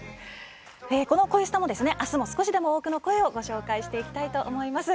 この「こえスタ」もあすも少しでも多くの声をご紹介していきたいと思います。